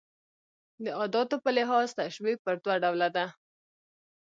د اداتو په لحاظ تشبېه پر دوه ډوله ده.